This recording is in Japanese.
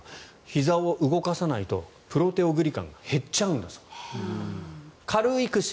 ひざを動かさないとプロテオグリカンが減っちゃうんだそうです。